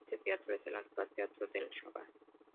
Este teatro es el actual Teatro del Raval.